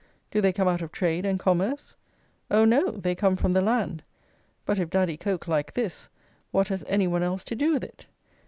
Do they come out of trade and commerce? Oh, no! they come from the land; but if Daddy Coke like this, what has any one else to do with it?